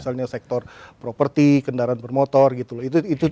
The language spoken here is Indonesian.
misalnya sektor properti kendaraan par motor gitu boleh itu sudah kita lakukan